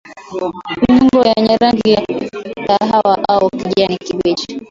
Nyongo yenye rangi ya kahawia au kijani kibichi